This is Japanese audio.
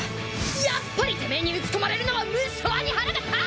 やっぱりてめえに打ち込まれるのは無性に腹が立つ！